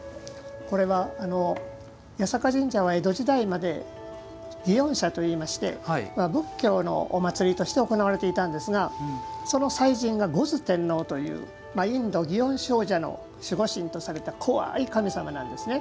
これは八坂神社は江戸時代まで祇園社といいまして仏教のお祭りとして行われていたんですが牛頭天王というインド祇園精舎の守護神とされた怖い神様なんですね。